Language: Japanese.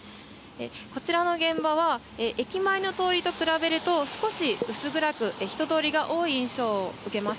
こちらの現場は駅前の通りと比べると少し薄暗く人通りが多い印象を受けます。